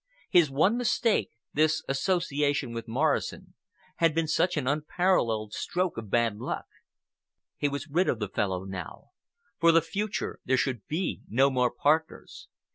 His one mistake—this association with Morrison—had been such an unparalleled stroke of bad luck. He was rid of the fellow now. For the future there should be no more partners.